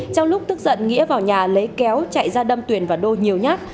trong lúc tức giận nghĩa vào nhà lấy kéo chạy ra đâm tuyền và đô nhiều nhát